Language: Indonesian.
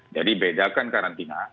jadi bedakan karantina